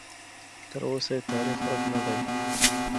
تراوسه یې تاریخ ورک نه دی.